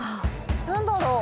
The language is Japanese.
何だろう？